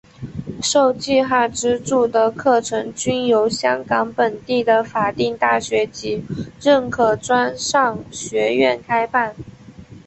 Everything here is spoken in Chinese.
受计划资助的课程均由香港本地的法定大学及认可专上学院开办。